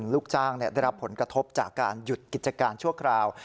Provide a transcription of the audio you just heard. ลูกจ้างได้รับผลกระทบจากการหยุดกิจการชั่วคราว